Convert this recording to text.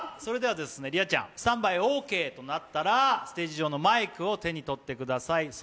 莉愛ちゃん、スタンバイオーケーとなったら、ステージ上のマイクを手に取ってください。